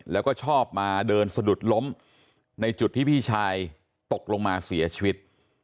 แล้วก็ชอบมาเดินสะดุดล้มในจุดที่พี่ชายตกลงมาเสียชีวิต